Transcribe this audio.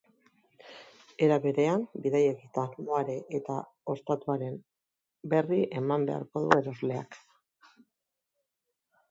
Era berean, bidai egitasmoaren eta ostatuaren berri eman beharko du erosleak.